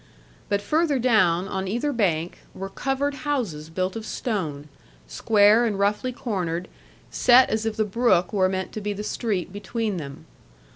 But further down, on either bank, were covered houses built of stone, square and roughly cornered, set as if the brook were meant to be the street between them.